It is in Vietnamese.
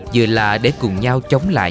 vừa là để cùng nhau chống lại